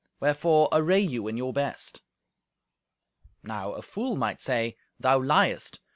Wherefore array you in your best." Now a fool might say, "Thou liest.